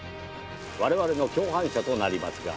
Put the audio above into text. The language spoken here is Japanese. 我々の共犯者となりますが。